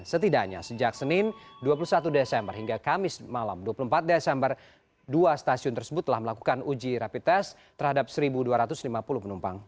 setidaknya sejak senin dua puluh satu desember hingga kamis malam dua puluh empat desember dua stasiun tersebut telah melakukan uji rapid test terhadap satu dua ratus lima puluh penumpang